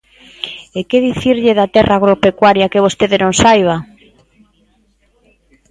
¿E que dicirlle da terra agropecuaria que vostede non saiba?